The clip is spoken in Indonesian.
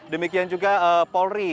demikian juga polri